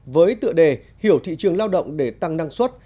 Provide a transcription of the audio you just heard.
với tựa đề hiểu thị trường lao động để tăng năng suất